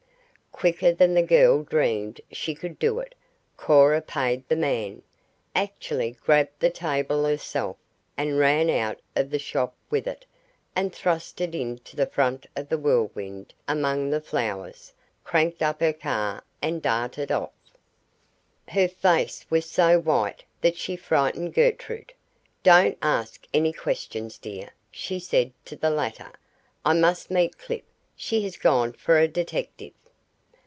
Quicker than the girl dreamed she could do it, Cora paid the man, actually grabbed the table herself and ran out of the shop with it and thrust it into the front of the Whirlwind among the flowers, cranked up her car and darted off. Her face was so white that she frightened Gertrude. "Don't ask any questions, dear," she said to the latter. "I must meet Clip. She has gone for a detective."